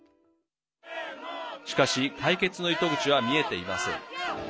しかし解決の糸口は見えていません。